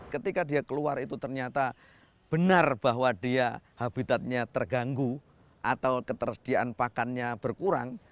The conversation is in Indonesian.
ketika dia keluar itu ternyata benar bahwa dia habitatnya terganggu atau ketersediaan pakannya berkurang